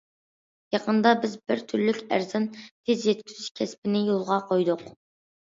يېقىندا بىز بىر تۈرلۈك ئەرزان تېز يەتكۈزۈش كەسپىنى يولغا قويدۇق.